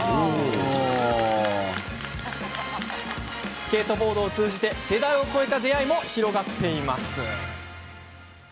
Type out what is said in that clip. スケートボードを通じて世代を超えた出会いも広がっています。